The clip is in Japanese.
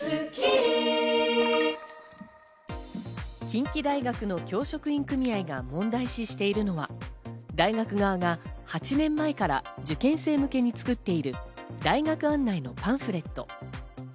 近畿大学の教職員組合が問題視しているのは、大学側が８年前から受験生向けに作っている大学案内のパンフレット。